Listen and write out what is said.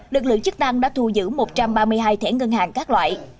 lực lượng chức năng đã thu giữ một trăm ba mươi hai thẻ ngân hàng các loại